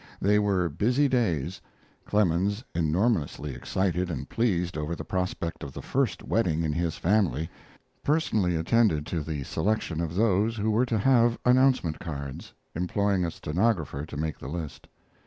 They were busy days. Clemens, enormously excited and pleased over the prospect of the first wedding in his family, personally attended to the selection of those who were to have announcement cards, employing a stenographer to make the list.